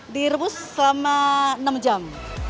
direbus selama enam jam